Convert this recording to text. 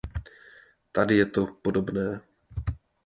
Tady je to podobné.